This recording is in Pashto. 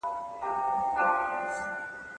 حکومتونو به کارګرانو ته د کار حق ورکړی وي.